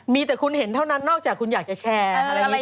มีแต่คุณเห็นเท่านั้นนอกจากคุณอยากจะแชร์